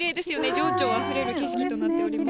情緒あふれる景色となっておりま